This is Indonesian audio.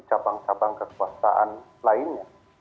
cabang cabang kekuasaan lainnya